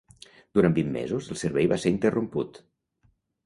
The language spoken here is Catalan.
Durant vint mesos el servei va ser interromput.